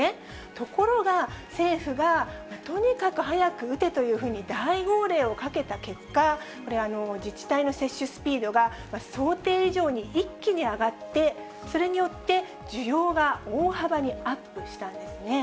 ところが、政府がとにかく早く打てというふうに大号令をかけた結果、これ、自治体の接種スピードが想定以上に一気に上がって、それによって需要が大幅にアップしたんですね。